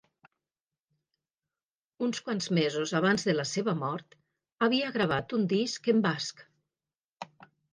Uns quants mesos abans de la seva mort, havia gravat un disc en basc.